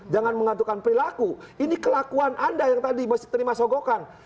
jangan mengantukkan perilaku ini kelakuan anda yang tadi mesti terima sogokan